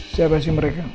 siapa sih mereka